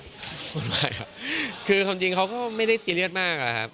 ไม่ครับคือความจริงเขาก็ไม่ได้ซีเรียสมากอะครับ